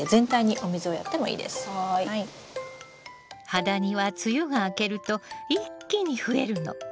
ハダニは梅雨が明けると一気に増えるの。